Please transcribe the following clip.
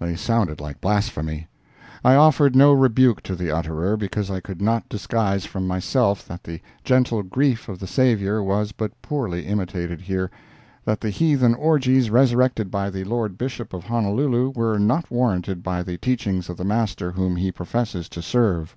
They sounded like blasphemy. I offered no rebuke to the utterer, because I could not disguise from myself that the gentle grief of the Savior was but poorly imitated here—that the heathen orgies resurrected by the Lord Bishop of Honolulu were not warranted by the teachings of the Master whom he professes to serve.